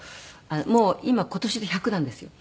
もう今今年で１００なんですよ。